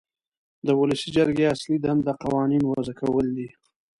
د ولسي جرګې اصلي دنده قوانین وضع کول دي.